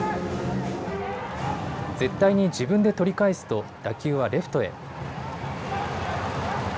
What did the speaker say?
絶対に自分で取り返すと、打球はレフトへ。